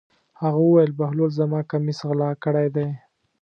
هغه وویل: بهلول زما کمیس غلا کړی دی.